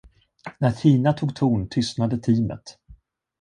När Tina tog ton tystnade teamet.